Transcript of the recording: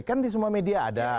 kan di semua media ada